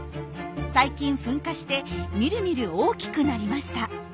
最近噴火してみるみる大きくなりました。